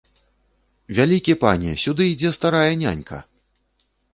Вялікі пане, сюды ідзе старая нянька!